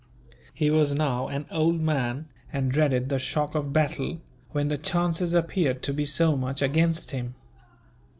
He was now an old man, and dreaded the shock of battle, when the chances appeared to be so much against him.